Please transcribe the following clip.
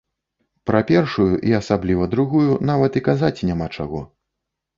Пра першую і асабліва другую нават і казаць няма чаго.